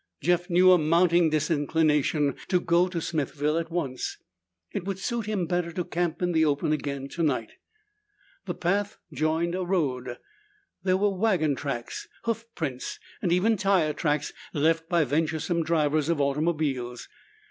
Jeff knew a mounting disinclination to go to Smithville at once. It would suit him better to camp in the open again tonight. The path joined a road. There were wagon tracks, hoof prints, and even tire tracks left by venturesome drivers of automobiles.